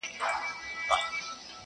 د ميني درد~